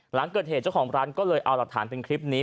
หลังเกิดเหตุเจ้าของร้านก็เลยเอาหลักฐานเป็นคลิปนี้